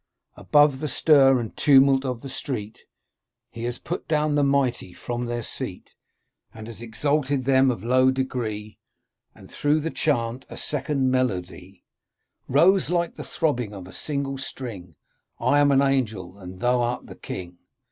Above the stir and tumult of the street :' He has put down the mighty from their seat. And has exalted them of low degree !' And through the chant a second melody Rose like the throbbing of a single string, * I am an angel, and thou art the king